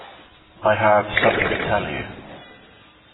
I have something to tell you.